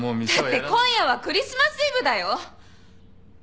だって今夜はクリスマスイブだよ？